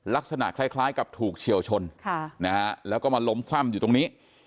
ลักษณะคล้ายกับถูกเฉียวชนแล้วก็มาล้มคว่ำอยู่ตรงนี้